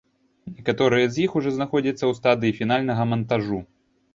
Некаторыя з іх ужо знаходзяцца ў стадыі фінальнага мантажу.